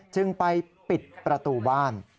จึงไปปิดประตูบ้าน